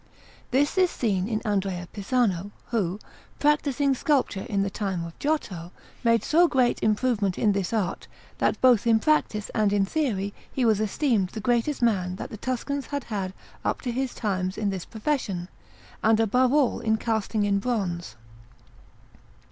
This is seen in Andrea Pisano, who, practising sculpture in the time of Giotto, made so great improvement in this art, that both in practice and in theory he was esteemed the greatest man that the Tuscans had had up to his times in this profession, and above all in casting in bronze.